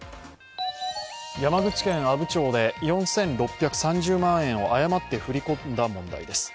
山口県阿武町で４６３０万円を誤って振り込んだ問題です。